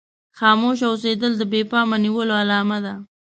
خاموشه اوسېدل د بې پامه نيولو علامه ده.